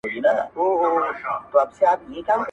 • عبدالباري جهاني: رباعیات -